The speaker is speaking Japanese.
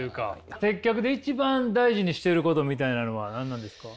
接客で一番大事にしてることみたいなのは何なんですか？